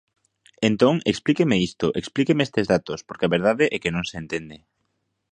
Entón, explíqueme isto, explíqueme estes datos, porque a verdade é que non se entende.